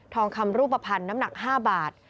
องคำรูปภัณฑ์น้ำหนัก๕บาท